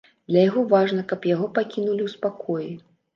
Для яго важна, каб яго пакінулі ў спакоі.